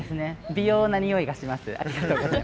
美容なにおいがします。